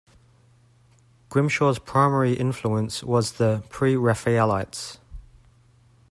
Grimshaw's primary influence was the Pre-Raphaelites.